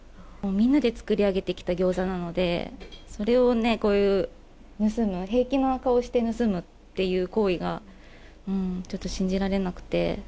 みんなで作り上げてきたギョーザなので、それをね、こういう、盗む、平気な顔して盗むって行為が、ちょっと信じられなくて。